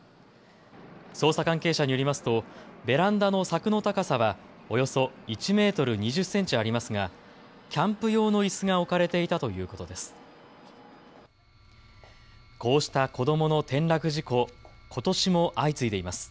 捜査関係者によりますとベランダの柵の高さはおよそ１メートル２０センチありますがキャンプ用のいすが置かれていたということです。